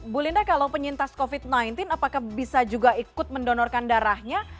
bu linda kalau penyintas covid sembilan belas apakah bisa juga ikut mendonorkan darahnya